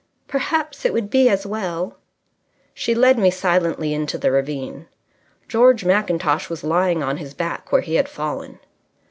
"Perhaps it would be as well." She led me silently into the ravine. George Mackintosh was lying on his back where he had fallen.